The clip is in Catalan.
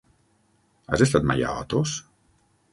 Has estat mai a Otos?